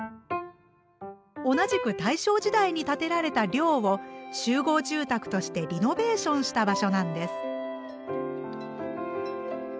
同じく大正時代に建てられた寮を集合住宅としてリノベーションした場所なんです。